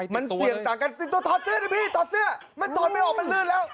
มันเสี่ยงต่างกันถอดเสื้อดิพี่ถอดเสื้อมันถอดไม่ออกมันลื่นแล้ว